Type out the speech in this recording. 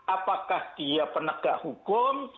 apakah dia penegak hukum